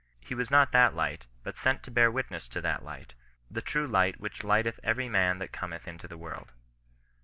He was not that Light, but sent to bear witness of that Light, the true Light which lighteth every man that cometh into the world."